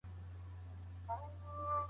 په لاس لیکل د تناسب او توازن د درک سبب ګرځي.